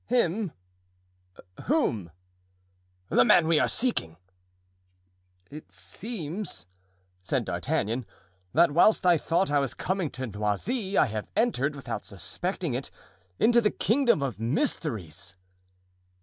"Him? whom?" "The man we are seeking." "It seems," said D'Artagnan, "that whilst I thought I was coming to Noisy I have entered, without suspecting it, into the kingdom of mysteries."